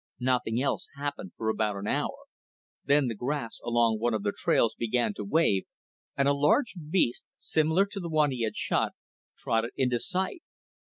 Nothing else happened for about an hour. Then the grass along one of the trails began to wave and a large beast, similar to the one he had shot, trotted into sight.